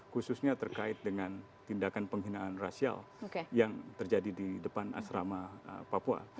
khususnya terkait dengan tindakan penghinaan rasial yang terjadi di depan asrama papua